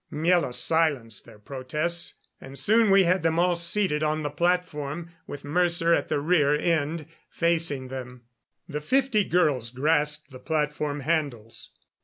Miela silenced their protests, and soon we had them all seated on the platform, with Mercer at the rear end facing them. The fifty girls grasped the platform handles.